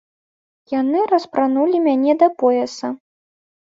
Яны распранулі мяне да пояса.